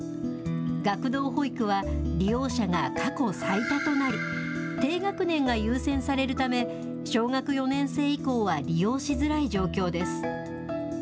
学童保育は利用者が過去最多となり、低学年が優先されるため、小学４年生以降は利用しづらい状況です。